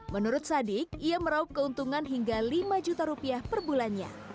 menurut sadik ia meraup keuntungan hingga lima juta rupiah per bulannya